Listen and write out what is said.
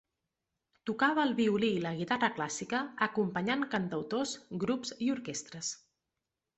Tocava el violí i la guitarra clàssica, acompanyant cantautors, grups i orquestres.